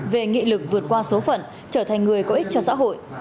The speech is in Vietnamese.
về nghị lực vượt qua số phận trở thành người có ích cho xã hội